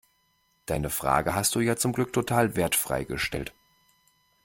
Deine Frage hast du ja zum Glück total wertfrei gestellt.